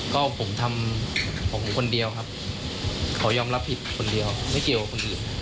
ก็ผมทำผมคนเดียวครับเขายอมรับผิดคนเดียวไม่เกี่ยวกับคนอื่น